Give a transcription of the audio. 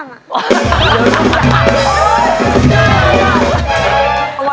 ช้า